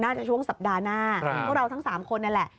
ช่วงสัปดาห์หน้าพวกเราทั้ง๓คนนั่นแหละ